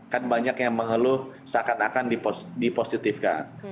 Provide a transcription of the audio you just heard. kan banyak yang mengeluh seakan akan dipositifkan